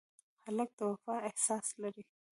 هلک د وفا احساس لري.